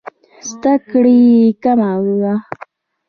زده کړې یې کمه وه.